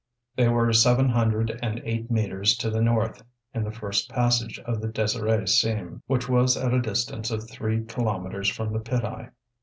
They were seven hundred and eight metres to the north in the first passage of the Désirée seam, which was at a distance of three kilometres from the pit eye.